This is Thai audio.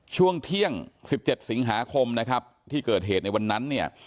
ช่วงเที่ยง๑๗สิงหาคมนะครับที่เกิดเหตุในวันนั้นเนี่ย